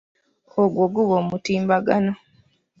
Ogwo guba omutimbagano.